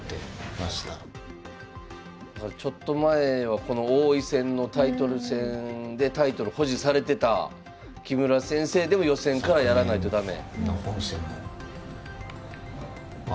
ちょっと前はこの王位戦のタイトル戦でタイトル保持されてた木村先生でも予選からやらないと駄目。